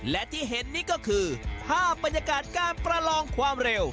และที่เห็นนี่ก็คือภาพบรรยากาศการประลองความเร็ว